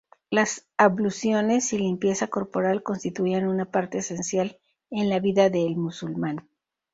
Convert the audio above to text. Las abluciones y limpieza corporal constituían una parte esencial en la vida del musulmán.